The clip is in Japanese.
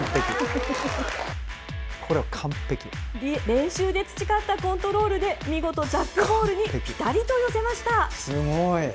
練習で培ったコントロールで見事、ジャックボールにぴたりと寄せました。